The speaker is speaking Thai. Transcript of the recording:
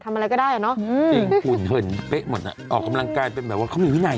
อะไรก็ได้อ่ะเนอะจริงฝุ่นเหินเป๊ะหมดอ่ะออกกำลังกายเป็นแบบว่าเขามีวินัย